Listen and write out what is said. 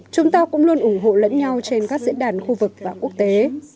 chúng ta cũng luôn ủng hộ lẫn nhau trên các diễn đàn khu vực và quốc tế